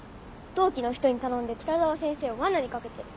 同期の人に頼んで北澤先生を罠にかけてる。